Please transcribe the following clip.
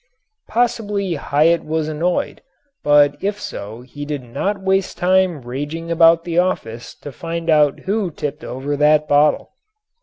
Possibly Hyatt was annoyed, but if so he did not waste time raging around the office to find out who tipped over that bottle.